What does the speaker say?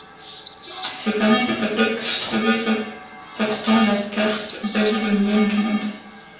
C'est parmi ces tablettes que se trouvait celle portant la Carte babylonienne du monde.